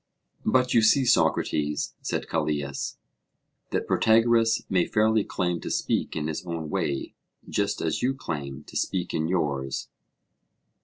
But you see, Socrates, said Callias, that Protagoras may fairly claim to speak in his own way, just as you claim to speak in yours.